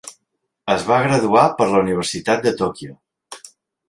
Es va graduar per la Universitat de Tokyo.